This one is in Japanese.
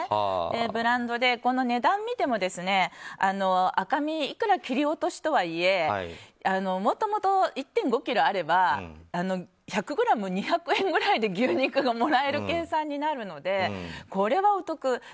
ブランドで、この値段を見ても赤身、いくら切り落としとはいえもともと１．５ｋｇあれば１００ｇ２００円ぐらいで牛肉がもらえる計算になるのでこれはお得。